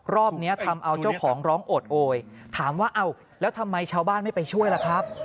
รอบนี้ทำเอาเจ้าของร้องโอดโอยถามว่าเอ้าแล้วทำไมชาวบ้านไม่ไปช่วยล่ะครับ